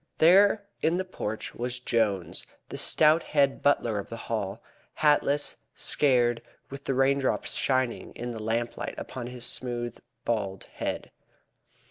There in the porch was Jones, the stout head butler of the Hall, hatless, scared, with the raindrops shining in the lamplight upon his smooth, bald head.